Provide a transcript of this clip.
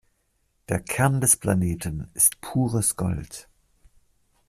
Der Kern des Planeten ist pures Gold.